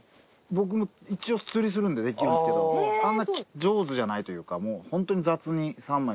僕も一応釣りするんでできるんですけどあんな上手じゃないというかホントに雑に三枚に。